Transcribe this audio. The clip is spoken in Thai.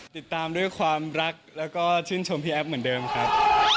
ติดตามด้วยความรักแล้วก็ชื่นชมพี่แอฟเหมือนเดิมครับ